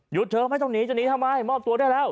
เธอไม่ต้องหนีจะหนีทำไมมอบตัวได้แล้ว